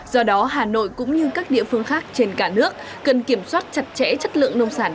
do đó hà nội cũng như các địa phương khác trên cả nước cần kiểm soát chặt chẽ chất lượng nông sản